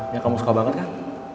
ya kamu suka banget kan